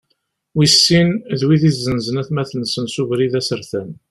Wis sin, d wid izenzen atmaten-nsen s ubrid asertan.